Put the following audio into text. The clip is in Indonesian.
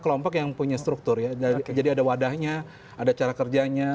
kelompok yang punya struktur ya dan jadi ada wadahnya ada cara kerjanya dan lain lain ya dan